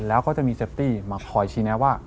แล้วก็จะมีเซฟตี้มาคอยชี้แนะว่า